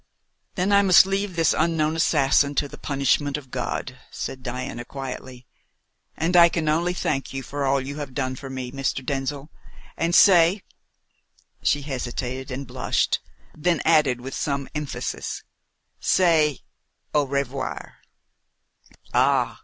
"Then I must leave this unknown assassin to the punishment of God!" said Diana quietly. "And I can only thank you for all you have done for me, Mr. Denzil, and say" she hesitated and blushed, then added, with some emphasis "say au revoir." "Ah!"